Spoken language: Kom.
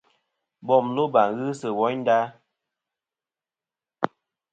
Bom loba ghɨ sɨ woynda.